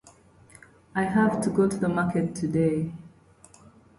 Evening and overnight programming is generally voicetracked and automated.